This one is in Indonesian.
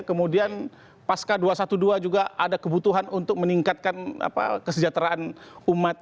kemudian pasca dua ratus dua belas juga ada kebutuhan untuk meningkatkan kesejahteraan umat